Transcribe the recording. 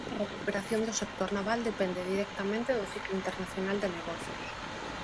A recuperación do sector naval depende directamente do ciclo internacional de negocios.